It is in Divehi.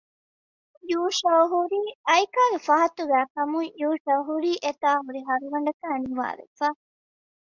ޔޫޝައު ހުރީ އައިކާގެ ފަހަތުގައިކަމުން ޔޫޝައު ހުރީ އެތާ ހުރި ހަރުގަނޑަކާއި ނިވާވެފަ